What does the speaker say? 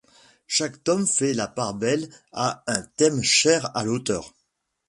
Chaque tome fait la part belle à un thème cher à l'auteur.